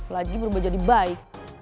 lagi berubah jadi baik